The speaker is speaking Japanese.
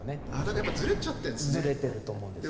やっぱりずれちゃってるんですね。